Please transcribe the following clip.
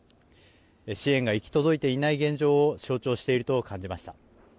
支援が行き届いていない現状を象徴していると感じました。